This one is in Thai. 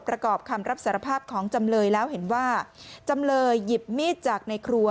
ประกอบคำรับสารภาพของจำเลยแล้วเห็นว่าจำเลยหยิบมีดจากในครัว